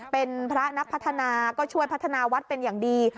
เป็นพระนักพัฒนาก็ช่วยพัฒนาวัดเป็นอย่างดี